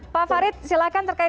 pak farid silahkan terkait